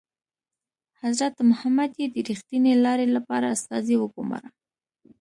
حضرت محمد یې د ریښتینې لارې لپاره استازی وګوماره.